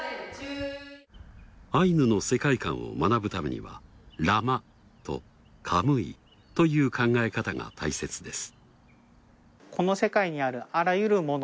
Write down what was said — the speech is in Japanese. アイヌの世界観を学ぶためにはラマッとカムイという考え方が大切です。